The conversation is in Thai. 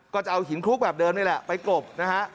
ก็จะเอาหินคลุกแบบเดิมนี่แหละไปกรบนะฮะ